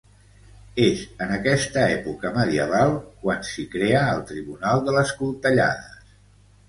És en aquesta època medieval quan s'hi crea el Tribunal de les Coltellades.